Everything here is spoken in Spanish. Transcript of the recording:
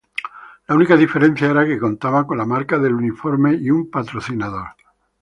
La única diferencia era que contaba con la marca del uniforme y un patrocinador.